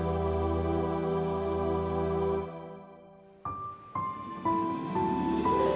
ketemu ke ceciir